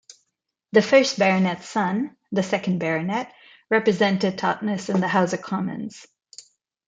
The first Baronet's son, the second Baronet, represented Totnes in the House of Commons.